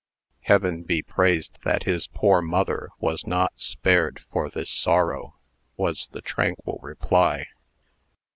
"Heaven be praised that his poor mother was not spared for this sorrow!" was the tranquil reply.